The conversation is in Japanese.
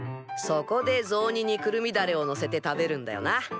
そこでぞうににくるみだれをのせて食べるんだよな。